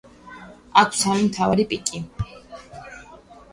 აქვს სამი მთავარი პიკი.